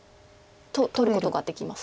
取ることができます。